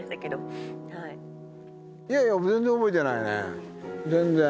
っいやいや、全然覚えてないね、全然。